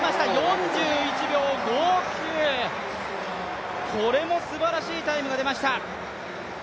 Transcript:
４１秒５９、これもすばらしいタイムが出ました。